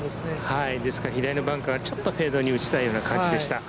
ですから左のバンカーちょっとフェードに打ちたいような感じでした。